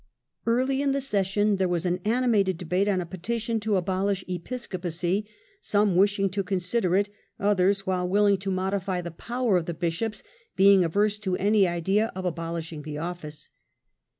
Early in the session there had been an animated debate on a petition to abolish Episcopacy, some wishing to consider it, others, while willing to modify the power of the bishops, being averse to any idea of abolishing the office.